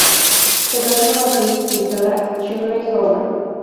Se casó con la actriz y escritora Cheryl Howard.